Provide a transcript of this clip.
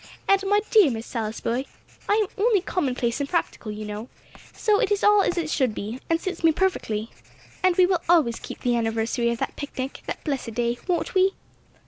And, my dear Miss Salisbury, I am only commonplace and practical, you know; so it is all as it should be, and suits me perfectly. And we will always keep the anniversary of that picnic, that blessed day, won't we?"